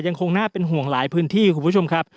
ยังคงน่าเป็นห่วงหลายพื้นที่ครับ